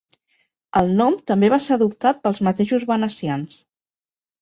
El nom també va ser adoptat pels mateixos venecians.